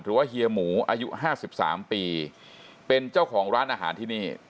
หรือว่าเฮียหมูอายุห้าสิบสามปีเป็นเจ้าของร้านอาหารที่นี่